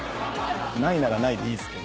ないならないでいいですけど。